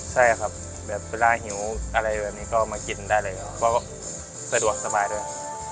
ใช่ครับแบบเวลาหิวอะไรแบบนี้ก็มากินได้เลยครับเพราะสะดวกสบายด้วย